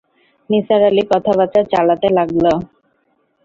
নিসার আলি কথাবার্তা চালাতে লাগলেন।